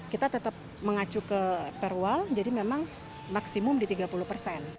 kita tetap mengacu ke perwal jadi memang maksimum di tiga puluh persen